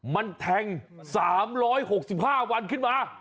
มันแทง๓๖๕วันขึ้นมา